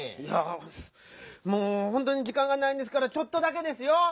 いやもうほんとにじかんがないんですからちょっとだけですよ！